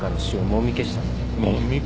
もみ消した？